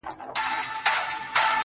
زه درته دعا سهار ماښام كوم~